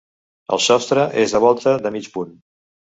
El sostre és de volta de mig punt.